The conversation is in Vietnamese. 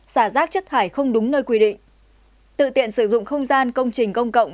xả rác chất thải không đúng nơi quy định tự tiện sử dụng không gian công trình công cộng